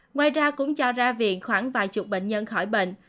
ngoài ra cũng cho ra viện khoảng vài chục bệnh nhân khỏi bệnh